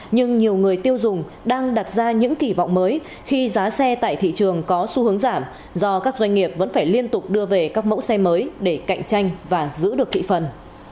nhưng nhiều người tiêu dùng đang đặt ra những kỳ vọng mới khi giá xe tại thị trường có xu hướng giảm do các doanh nghiệp vẫn phải liên tục đưa về các mẫu xe mới để cạnh tranh và giữ được thị phần